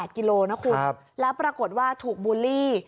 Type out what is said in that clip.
กิโลนะคุณแล้วปรากฏว่าถูกบูลลี่